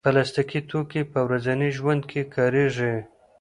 پلاستيکي توکي په ورځني ژوند کې کارېږي.